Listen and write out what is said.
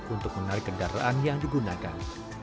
untuk menarik kendaraan yang digunakan